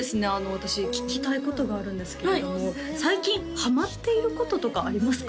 私聞きたいことがあるんですけど最近ハマっていることとかありますか？